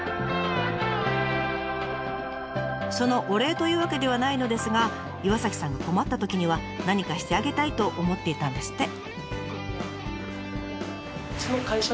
そのお礼というわけではないのですが岩さんが困ったときには何かしてあげたいと思っていたんですって。